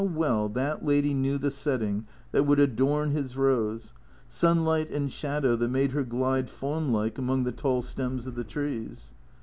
How well that lady knew the setting that would adorn his Rose; sunlight and shadow that made her glide fawn like among the tall stems of the trees.